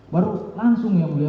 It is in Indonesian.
baru langsung yang mulia